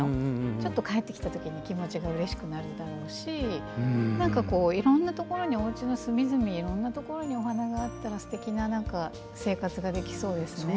ちょっと、帰ってきた時に気持ちがうれしくなるだろうしいろんなところにおうちの隅々にお花があったらすてきな生活ができそうですね。